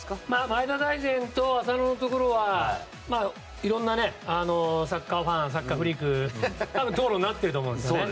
前田大然と浅野のところはいろんなサッカーファンサッカーフリークの間で討論になってると思うので。